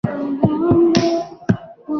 wa kushughulikia uchafuzi wa hewa unatekelezwa